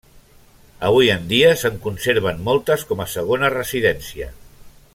Avui en dia se'n conserven moltes com a segona residència.